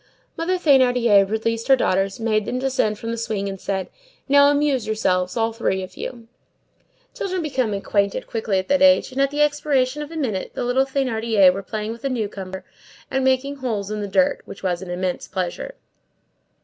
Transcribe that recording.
Mother Thénardier released her daughters, made them descend from the swing, and said:— "Now amuse yourselves, all three of you." Children become acquainted quickly at that age, and at the expiration of a minute the little Thénardiers were playing with the newcomer at making holes in the ground, which was an immense pleasure.